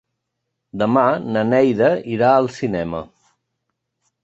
Demà na Neida irà al cinema.